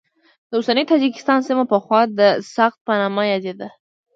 د اوسني تاجکستان سیمه پخوا د سغد په نامه یادېده.